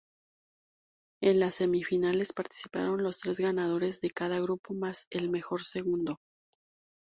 En las semifinales participaron los tres ganadores de cada grupo más el mejor segundo.